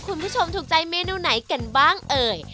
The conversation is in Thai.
คุณผู้ชมถูกใจเมนูไหนกันบ้างเอ่ย